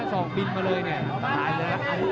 ซอกบินมาเลยเนี่ย